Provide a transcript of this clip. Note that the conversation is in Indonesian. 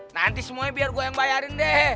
nanti semuanya biar gue yang bayarin deh